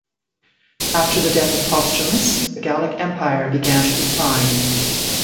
After the death of Postumus, the Gallic Empire began to decline.